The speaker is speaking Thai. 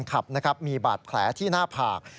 คนขับมีบาดแขลที่หน้าผาก